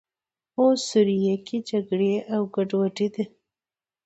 اوس سوریه کې جګړې او ګډوډۍ دي.